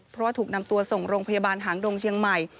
เพราะว่าถูกนำตัวส่งโรงพยาบาลหางดงเชียงใหม่